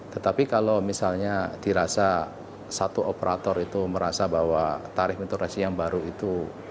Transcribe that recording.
tetapi kalau misalnya dirasa satu operator itu merasa bahwa tarif interaksi yang baru itu